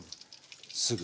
すぐ。